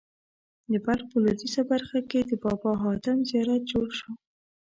د بلخ په لوېدیځه برخه کې د بابا حاتم زیارت جوړ شو.